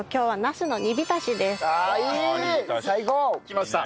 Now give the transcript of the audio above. きました！